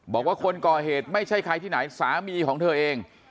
บอกว่าคนก่อเหตุไม่ใช่ใครที่ไหนสามีของเธอเอง